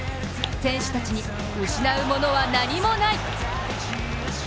選手たちに失うものは何もない。